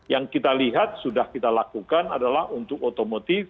yang kita lihat sudah kita lakukan adalah untuk otomotif